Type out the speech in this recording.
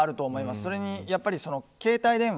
それに、携帯電話。